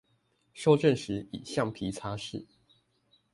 修正時以橡皮擦拭